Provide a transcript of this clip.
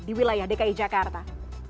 di wilayah dki jakarta